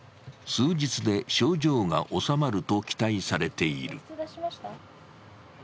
数日で症状が収まると期待されている。